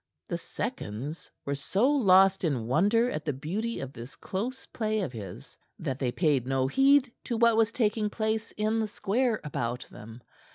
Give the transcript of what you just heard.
The seconds were so lost in wonder at the beauty of this close play of his that they paid no heed to what was taking place in the square about them.